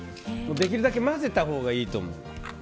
できるだけ混ぜたほうがいいと思う。